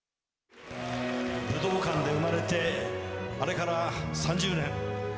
武道館で生まれて、あれから３０年。